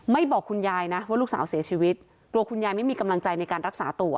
บอกคุณยายนะว่าลูกสาวเสียชีวิตกลัวคุณยายไม่มีกำลังใจในการรักษาตัว